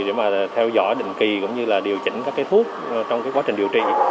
để mà theo dõi định kỳ cũng như là điều chỉnh các cái thuốc trong quá trình điều trị